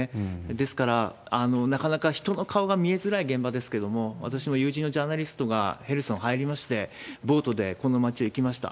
ですから、なかなか人の顔が見えづらい現場ですけれども、私も友人のジャーナリストがヘルソンに入りまして、ボートでこの町へ行きました。